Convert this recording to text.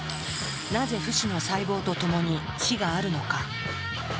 なぜ不死の細胞とともに死があるのか？